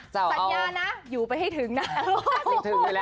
สัญญานะอยู่ไปให้ถึงนะ